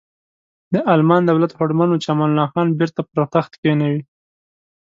د المان دولت هوډمن و چې امان الله خان بیرته پر تخت کینوي.